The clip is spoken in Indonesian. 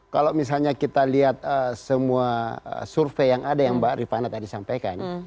kalau misalnya kita lihat semua survei yang ada yang mbak rifana tadi sampaikan